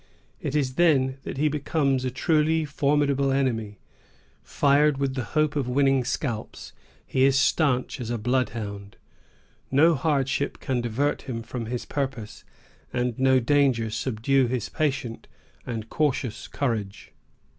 It is then that he becomes a truly formidable enemy. Fired with the hope of winning scalps, he is stanch as a bloodhound. No hardship can divert him from his purpose, and no danger subdue his patient and cautious courage.